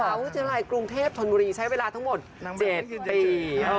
วิทยาลัยกรุงเทพธนบุรีใช้เวลาทั้งหมด๗ปี